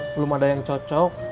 belum ada yang cocok